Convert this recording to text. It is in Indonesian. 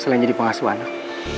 selain jadi pengasuh anak